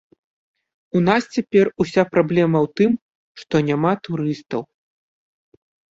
У нас цяпер уся праблема ў тым, што няма турыстаў.